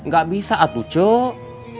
gak bisa atu cek